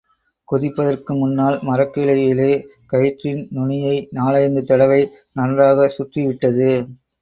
குதிப்பதற்கு முன்னால் மரக்கிளையிலே கயிற்றின் நுனியை நாலைந்து தடவை நன்றாகச் சுற்றிவிட்டது.